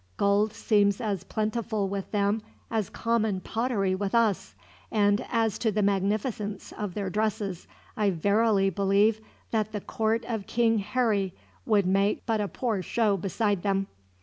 Gold seems as plentiful with them as common pottery with us; and as to the magnificence of their dresses, I verily believe that the court of King Harry would make but a poor show beside them.